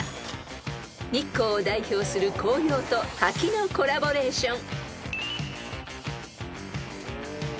［日光を代表する紅葉と滝のコラボレーション］